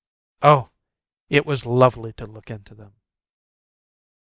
Oh! it was lovely to look into them!